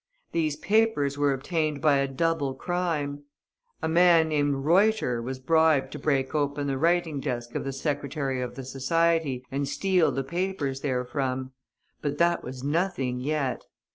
These papers were obtained by a double crime. A man named Reuter was bribed to break open the writing desk of the secretary of the Society, and steal the papers therefrom. But that was nothing yet.